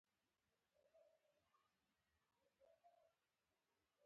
حفاظتي ټکو ته پاملرنه نه کول د زیانونو سبب ګرځي.